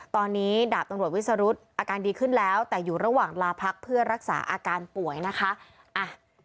ตอนนี้ดาบตำรวจวิสรุธอาการดีขึ้นแล้วแต่อยู่ระหว่างลาพักเพื่อรักษาอาการป่วยนะคะ